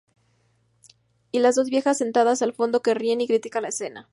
Y las dos viejas sentadas al fondo que ríen y critican la escena.